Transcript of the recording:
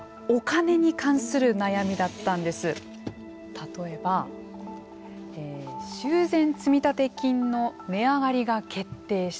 例えば修繕積立金の値上がりが決定したと。